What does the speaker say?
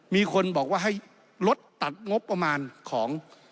มีคนบอกว่าให้ลดตัดงบประมาณของ